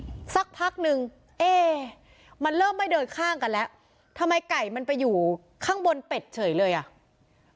สักพักหนึ่งเอ๊มันเริ่มไม่เดินข้างกันแล้วทำไมไก่มันไปอยู่ข้างบนเป็ดเฉยเลยอ่ะ